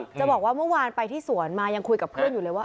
จะบอกว่าเมื่อวานไปที่สวนมายังคุยกับเพื่อนอยู่เลยว่า